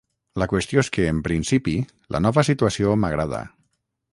La qüestió és que, en principi, la nova situació m'agrada.